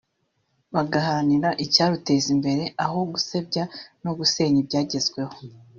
bagaharanira icyaruteza imbere aho gusebya no gusenya ibyagezweho